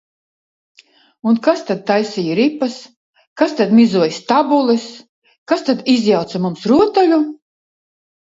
Un kas tad taisīja ripas, kas tad mizoja stabules, kas tad izjauca mums rotaļu?